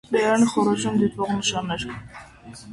Բերանի խոռոչում դիտվող նշաններ։